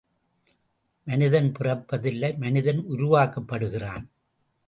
மனிதன் பிறப்பதில்லை மனிதன் உருவாக்கப்படுகின்றான்.